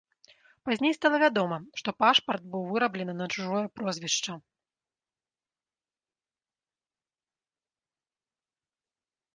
Пазней стала вядома, што пашпарт быў выраблены на чужое прозвішча.